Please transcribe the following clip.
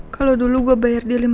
kalau dulu gue bayar dia lima ratus juta